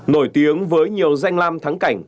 nổi tiếng với nhiều danh lam thắng cảnh